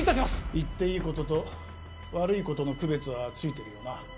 言っていいことと悪いことの区別はついてるよな？